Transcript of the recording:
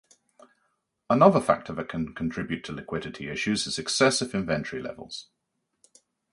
Another factor that can contribute to liquidity issues is excessive inventory levels.